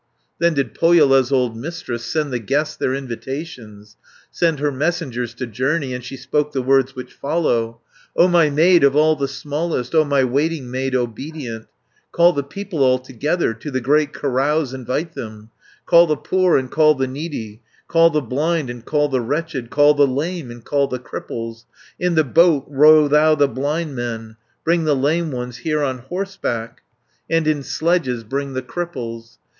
Then did Pohjola's old Mistress Send the guests their invitations, Sent her messengers to journey, And she spoke the words which follow: 560 "O my maid, of all the smallest, O my waiting maid obedient, Call the people all together, To the great carouse invite them, Call the poor, and call the needy, Call the blind, and call the wretched, Call the lame, and call the cripples; In the boat row thou the blind men; Bring the lame ones here on horseback, And in sledges bring the cripples.